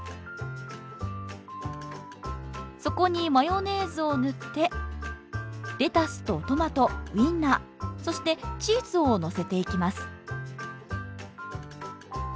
そこにマヨネーズを塗ってレタスとトマトウインナーそしてチーズをのせていきます